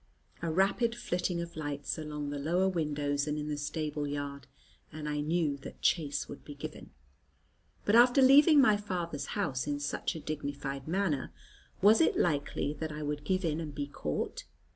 A rapid flitting of lights along the lower windows and in the stableyard, and I knew that chase would be given. But after leaving my father's house in such a dignified manner, was it likely that I would give in and be caught?